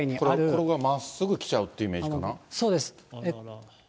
これがまっすぐ来ちゃうってイメージかな？